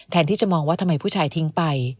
ที่จะมองว่าทำไมผู้ชายทิ้งไป